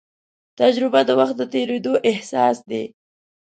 تجربه د وخت د تېرېدو احساس دی.